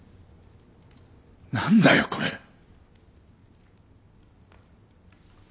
何だよこれ！